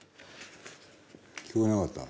聞こえなかった？